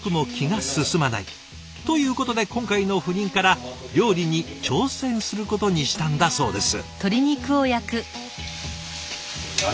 ということで今回の赴任から料理に挑戦することにしたんだそうです。